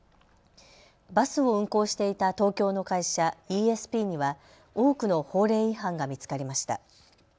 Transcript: バスを運行していた東京の会社、イーエスピーには多くの法令違反が見つかりました。